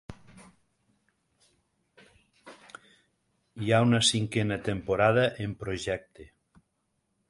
Hi ha una cinquena temporada en projecte.